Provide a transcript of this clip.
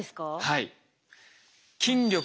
はい。